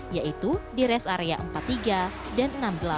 yaitu di res area empat puluh tiga dan enam puluh delapan